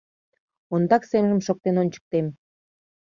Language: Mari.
Ондак семжым шоктен ончыктем.